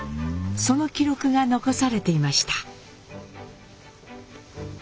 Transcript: その記録が残されていました。